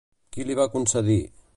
Qui li va concedir?